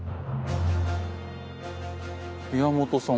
宮本さん